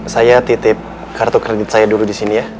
saya titip kartu kredit saya dulu di sini ya